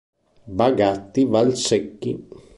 Bagatti Valsecchi